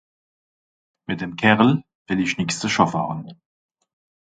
Mìt dem Kerl wìll ìch nìx ze schàffe hàn.